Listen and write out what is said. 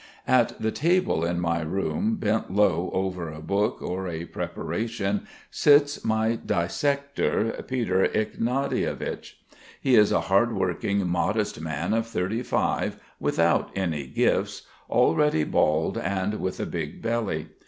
At the table in my room, bent low over a book or a preparation, sits my dissector, Peter Ignatievich. He is a hardworking, modest man of thirty five without any gifts, already bald and with a big belly.